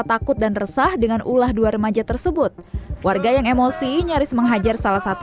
takut dan resah dengan ulah dua remaja tersebut warga yang emosi nyaris menghajar salah satu